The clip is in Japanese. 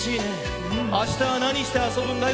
あしたはなにしてあそぶんだい？